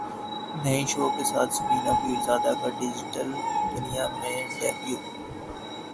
نئے شو کے ساتھ ثمینہ پیرزادہ کا ڈیجیٹل دنیا میں ڈیبیو